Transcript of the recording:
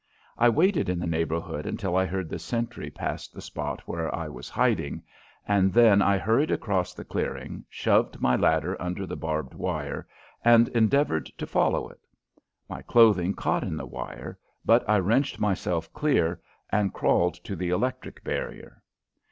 I waited in the neighborhood until I heard the sentry pass the spot where I was in hiding, and then I hurried across the clearing, shoved my ladder under the barbed wire, and endeavored to follow it. My clothing caught in the wire, but I wrenched myself clear and crawled to the electric barrier.